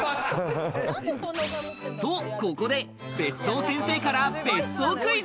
とここで別荘先生から別荘クイズ。